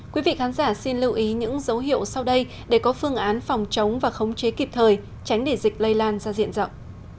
quý vị khán giả xin lưu ý những dấu hiệu sau đây để có phương án phòng chống và khống chế kịp thời tránh để dịch lây lan ra diện rộng